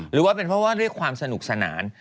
หรือว่าเป็นเพราะว่าด้วยความสนุกสนาน